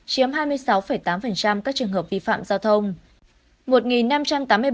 chiếm hai mươi sáu tám các trường hợp vi phạm giao thông